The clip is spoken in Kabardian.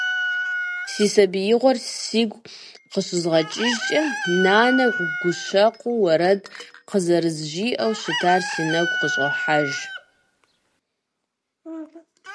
Си сабиигъуэр сигу къыщызгъэкӀыжкӀэ, нанэ гущэкъу уэрэд къызэрызжиӏэу щытар си нэгу къыщӏохьэж.